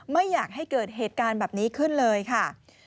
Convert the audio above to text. ไม่อยากให้เกิดเหตุการณ์แบบนี้ขึ้นเลยค่ะ